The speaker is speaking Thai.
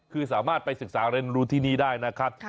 คือสามารถไปศึกษาเรียนรู้ที่นี่ได้นะครับ